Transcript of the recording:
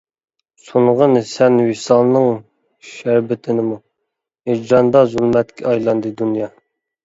سۇنغىن سەن ۋىسالنىڭ شەربىتىنىمۇ، ھىجراندا زۇلمەتكە ئايلاندى دۇنيا.